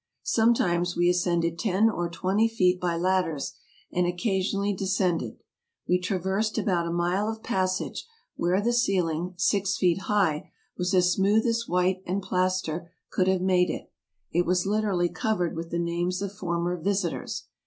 Sometimes we ascended ten or twenty feet by ladders, and occasionally descended. We traversed about a mile of passage where the ceiling, six feet high, was as smooth and white as plaster could have made it. It was literally covered with the names of former visitors.